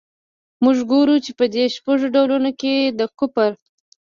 موږ ګورو چي په دې شپږو ډولونو کي د کفر.